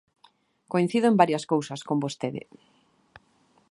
Coincido en varias cousas con vostede.